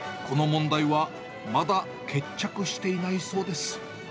この問題は、まだ決着していないそうです。